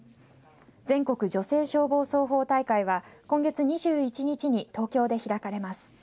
全国女性消防操法大会は今月２１日に東京で開かれます。